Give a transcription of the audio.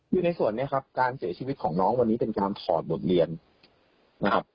ในส่วนนี้ครับการเสียชีวิตของน้องวันนี้เป็นการถอดบทเรียนนะครับ